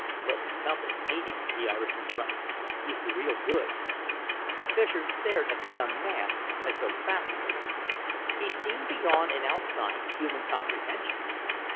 "Pleasant company, ain't he?" the Irishman grunted. "He's the real goods." Fischer stared at the young man as though fascinated. He seemed beyond and outside human comprehension.